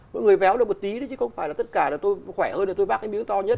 mọi người béo được một tí đấy chứ không phải là tất cả là tôi khỏe hơn là tôi vác cái miếng to nhất